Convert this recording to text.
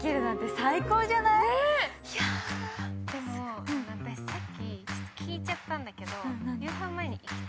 でも私、さっき聞いちゃったんだけど。